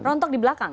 rontok di belakang